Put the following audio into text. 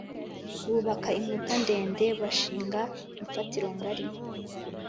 bubaka inkuta ndende, bashinga imfatiro ngari